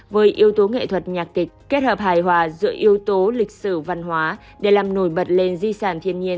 với yếu tố nghệ thuật nhạc kịch kết hợp hài hòa giữa yếu tố lịch sử văn hóa để làm nổi bật lên di sản thiên nhiên